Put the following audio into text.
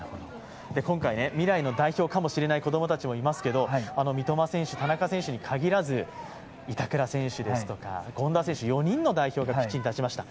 今回、未来の代表かもしれない子供たちもいますけれども、三笘選手と田中選手に限らず板倉選手ですとか権田選手、４人の代表がピッチに立ちました。